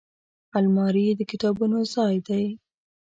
الماري د کتابونو ځای دی